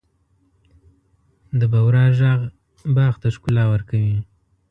د بورا ږغ باغ ته ښکلا ورکوي.